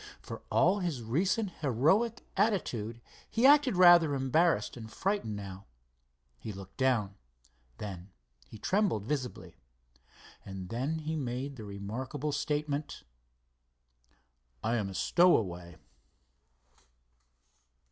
For all his recent heroic attitude, he acted rather embarrassed and frightened now. He looked down. Then he trembled visibly. And then he made the remarkable statement: "I am a stowaway."